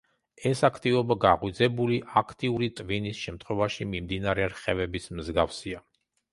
ეს აქტივობა გაღვიძებული, აქტიური ტვინის შემთხვევაში მიმდინარე რხევების მსგავსია.